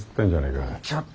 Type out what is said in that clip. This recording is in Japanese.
ちょっと！